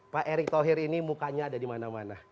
pak erick thohir ini mukanya ada dimana mana